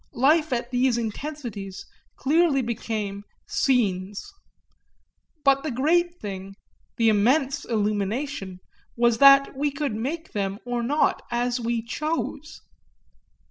Life at these intensities clearly became "scenes"; but the great thing, the immense illumination, was that we could make them or not as we chose.